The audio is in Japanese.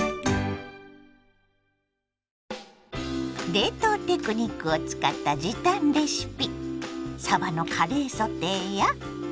冷凍テクニックを使った時短レシピ。